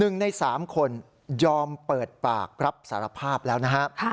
๑ใน๓คนยอมเปิดปากรับสารภาพแล้วนะฮะ